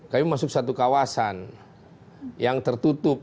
kami masuk satu kawasan yang tertutup